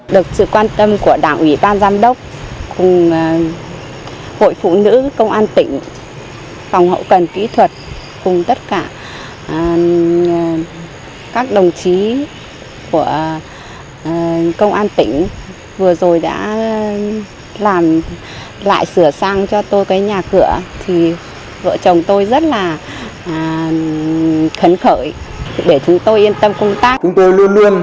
được sự quan tâm của đảng ủy ban giám đốc hội phụ nữ công an tỉnh phòng hậu cần kỹ thuật cùng tất cả các đồng chí của công an tỉnh